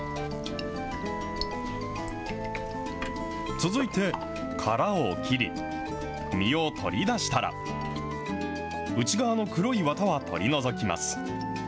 続いて殻を切り、身を取り出したら、内側の黒いワタは取り除きます。